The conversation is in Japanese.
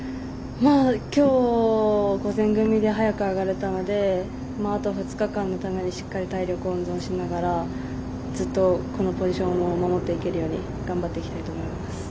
今日、午前組で早く上がれたのであと２日間のためにしっかり体力、温存しながらずっとこのポジションを守っていけるように頑張っていきたいと思います。